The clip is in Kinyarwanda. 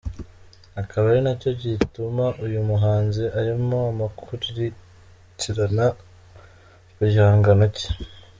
akaba ari nacyo gituma uyu muhanzi arimo amukurikirana ku gihangano cye.